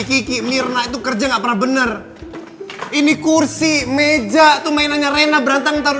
kiki mirna itu kerja enggak pernah bener ini kursi meja tuh mainannya rena berantem taruh